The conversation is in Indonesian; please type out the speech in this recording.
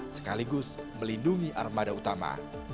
sekaligus melindungi armada utama